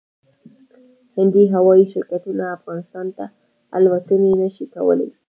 هندي هوايي شرکتونه افغانستان ته الوتنې نشي کولای